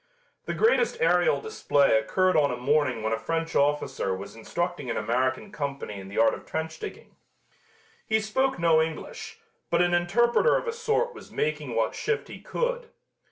The greatest aerial display occurred on a morning when a French officer was instructing an American company in the art of trench digging. He spoke no English, but an interpreter of a sort was making what shift he could.